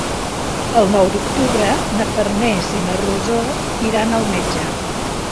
El nou d'octubre na Farners i na Rosó iran al metge.